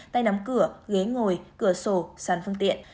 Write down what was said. tay nắm cửa ghế ngồi cửa sổ sàn phương tiện